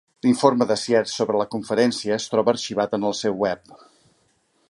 L'informe de Sierz sobre la conferència es troba arxivat en el seu web.